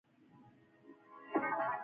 د کمېسیون غړي په خونه کې یوازې دي.